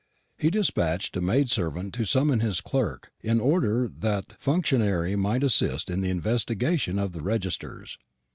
He despatched a maid servant to summon his clerk, in order that that functionary might assist in the investigation of the registers.